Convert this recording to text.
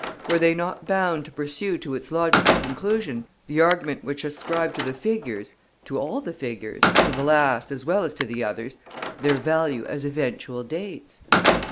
Were they not bound to pursue to its logical conclusion the argument which ascribed to the figures to all the figures, to the last as well as to the others their value as eventual dates?